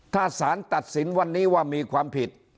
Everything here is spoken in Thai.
ถ้าสารตัดสินวันนี้ว่ามีความผิด